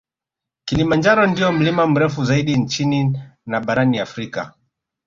Kilimanjaro ndio mlima mrefu zaidi nchini na barani Afrika